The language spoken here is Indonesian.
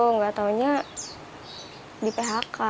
nggak taunya di phk